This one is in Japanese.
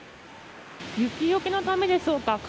雪よけのためでしょうか。